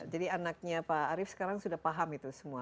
jadi anaknya pak arief sekarang sudah paham itu semua